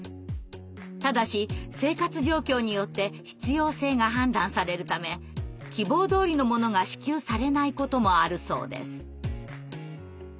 ただし生活状況によって必要性が判断されるため希望どおりのものが支給されないこともあるそうです。